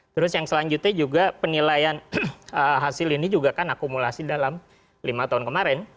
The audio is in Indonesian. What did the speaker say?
terus yang selanjutnya juga penilaian hasil ini juga kan akumulasi dalam lima tahun kemarin